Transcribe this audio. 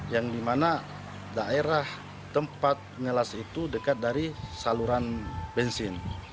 yang dimana daerah tempat ngelas itu dekat dari saluran bensin